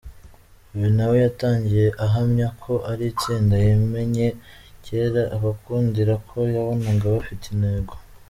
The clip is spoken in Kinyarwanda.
Uyu nawe yatangiye ahamya ko ari itsinda yamenye cyera abakundira ko yabonaga bafite intego.